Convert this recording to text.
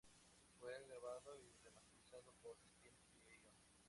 Fue grabado y remasterizado por Steve Lyon.